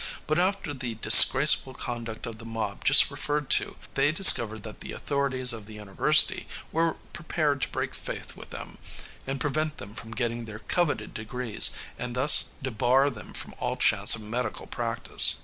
But after the disgraceful conduct of the mob just referred to, they discovered that the authorities of the university were prepared to break faith with them, and prevent them from getting their coveted degrees, and thus debar them from all chance of medical practice.